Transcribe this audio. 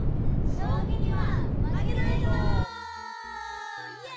将棋には負けないぞ！